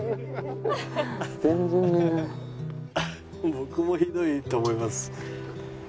僕もひどいと思います。